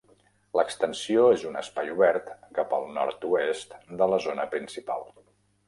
L'Extensió és un espai obert cap al nord-oest de la zona principal.